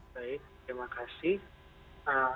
baik terima kasih